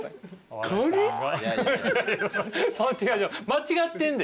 間違ってんで。